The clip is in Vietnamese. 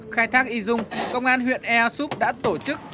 khai thác y dung công an huyện ea súp đã tổ chức